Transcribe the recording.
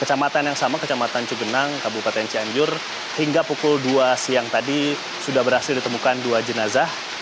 kecamatan yang sama kecamatan cugenang kabupaten cianjur hingga pukul dua siang tadi sudah berhasil ditemukan dua jenazah